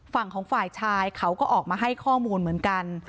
ฝั่งของฝ่ายชายเขาก็ออกมาให้ข้อมูลเหมือนกัน